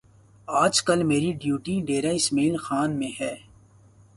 آج کل میری ڈیوٹی ڈیرہ اسماعیل خان میں ہے